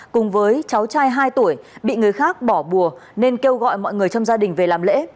cùng với cháu trai hai tuổi bị người khác bỏ bùa nên kêu gọi mọi người trong gia đình về làm lễ